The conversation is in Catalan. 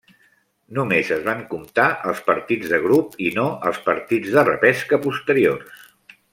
Només es van comptar els partits de grup i no els partits de repesca posteriors.